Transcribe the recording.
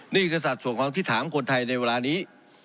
นี่อินทรัศน์ส่วนของทิศถามกฎไทยในเวลานี้